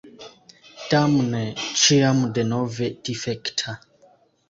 Damne, ĉiam denove difekta!